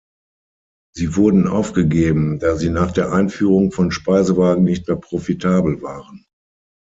Sie wurden aufgegeben, da sie nach der Einführung von Speisewagen nicht mehr profitabel waren.